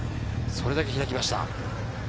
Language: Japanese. それだけ開きました。